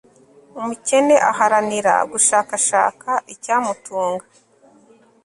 umukene aharanira gushakashaka icyamutunga